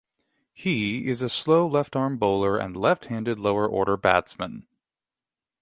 He is a slow left-arm bowler and left-handed lower order batsman.